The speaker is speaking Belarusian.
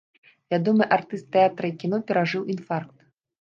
Вядомы артыст тэатра і кіно перажыў інфаркт.